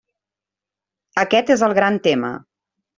Aquest és el gran tema.